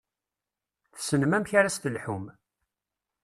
Tessnem amek ara s-telḥum.